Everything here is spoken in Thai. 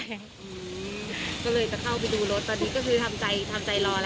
ก็เลยจะเข้าไปดูรถตอนนี้ก็คือทำใจทำใจรอแล้ว